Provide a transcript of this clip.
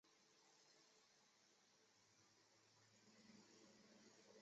链肠锡叶吸虫为同盘科锡叶属的动物。